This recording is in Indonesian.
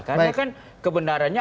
karena kan kebenarannya